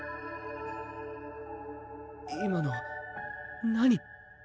今の何？